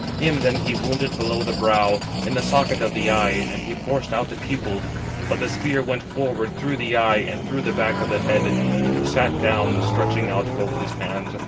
Him then he wounded below the brow, in the socket of the eye, and he forced out the pupil: but the spear went forward through the eye, and through the back of the head; and he sat down, stretching out both his hands.